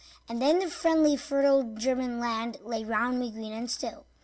And the friendly fertile German land Lay round me green and still.